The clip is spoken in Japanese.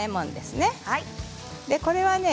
これはね